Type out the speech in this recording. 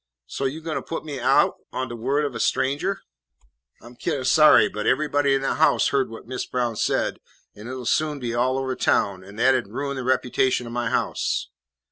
"So you goin' to put me out on de wo'd of a stranger?" "I 'm kin' o' sorry, but everybody in the house heard what Mis' Brown said, an' it 'll soon be all over town, an' that 'ud ruin the reputation of my house."